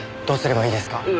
どうすればいいですか？